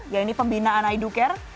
yang ini pembinaan idu care